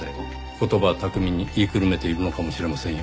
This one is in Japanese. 言葉巧みに言いくるめているのかもしれませんよ。